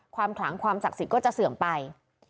ความขลางความศักดิ์สิกก็จะเสื่อมไป